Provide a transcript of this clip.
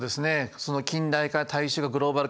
その近代化大衆化グローバル化。